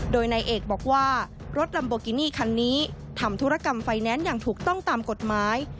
โดยนายเอกบอกว่ารถลัมโบกินี่คันนี้ทำธุรกรรมไฟแนนซ์อย่างถูกต้องตามกฎหมาย